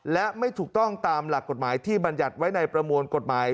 และไม่ถูกต้องตามหลักกฎหมายที่บรรยัติไว้ในประมวลกฎหมาย